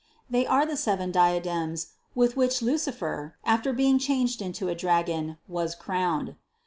They are the seven diadems with which Lucifer, after being changed into a dragon, was crowned.